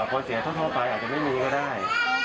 พอเสียเท่าไปอาจจะไม่มีก็ได้